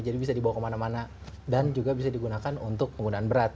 jadi bisa dibawa kemana mana dan juga bisa digunakan untuk penggunaan berat